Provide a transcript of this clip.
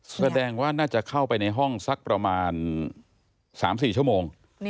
แสดงว่าน่าจะเข้าไปในห้องสักประมาณ๓๔ชั่วโมง